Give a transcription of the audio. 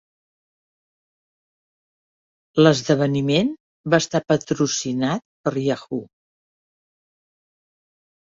L'esdeveniment va estar patrocinat per Yahoo!